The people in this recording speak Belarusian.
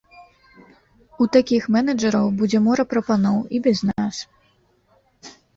У такіх менеджараў будзе мора прапаноў і без нас.